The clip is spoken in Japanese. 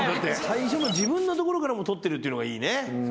最初の自分のところからも撮ってるっていうのがいいね。